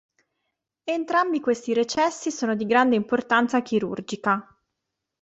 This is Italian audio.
Entrambi questi recessi sono di grande importanza chirurgica.